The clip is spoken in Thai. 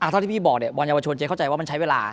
เท่าที่พี่บอกเนี่ยบอลเยาวชนเจ๊เข้าใจว่ามันใช้เวลา